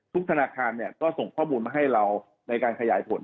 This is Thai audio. ทุกธนาคารก็ส่งข้อมูลมาให้เราในการขยายผล